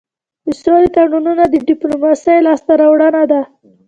د سولې تړونونه د ډيپلوماسی لاسته راوړنه ده.